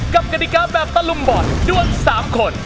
กฎิกาแบบตะลุมบอลด้วน๓คน